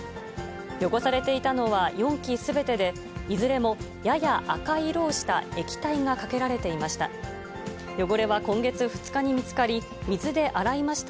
汚されていたのは４基すべてで、いずれもやや赤い色をした液体がかけられていました。